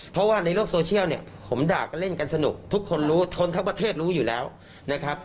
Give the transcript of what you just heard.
เพราะว่าในโลกโซเชียลเนี่ยผมด่ากันเล่นกันสนุกทุกคนรู้คนทั้งประเทศรู้อยู่แล้วนะครับ